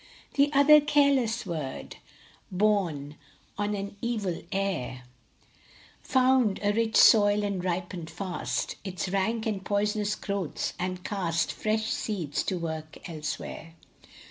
The other careless word, Borne on an evil air, 40 WORDS. Found a rich soil, and ripened fast Its rank and poisonous growths, and cast Fresh seeds to work elsewhere.